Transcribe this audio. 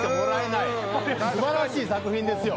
素晴らしい作品ですよ。